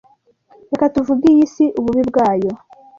reka tuvuge iy isi ububi bwayo